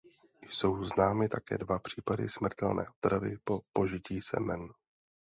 Jsou známy také dva případy smrtelné otravy po požití semen.